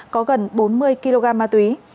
có gần bốn mươi kg ma túy